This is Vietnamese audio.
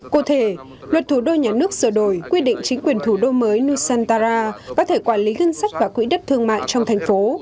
cụ thể luật thủ đô nhà nước sửa đổi quy định chính quyền thủ đô mới nusantara có thể quản lý ngân sách và quỹ đất thương mại trong thành phố